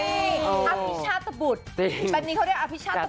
ภาพพิชาตบุตรแบบนี้เขาเรียกอภิชาตุ